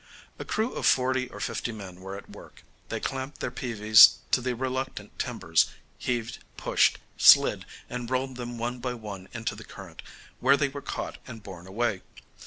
A crew of forty or fifty men were at work. They clamped their peavies to the reluctant timbers, heaved, pushed, slid, and rolled them one by one into the current, where they were caught and borne away.